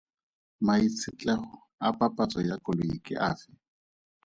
Maitshetlego a papatso ya koloi ke afe?